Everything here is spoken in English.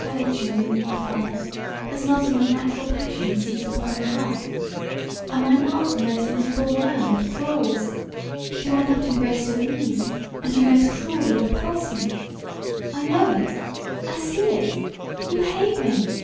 I adjure you, my father, has not an unnatural passion seized upon your heart? Am I not the most miserable worm that crawls? Do I not embrace your knees, and you most cruelly repulse me? I know it I see it you hate me!"